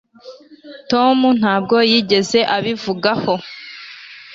tom ntabwo yigeze abivugaho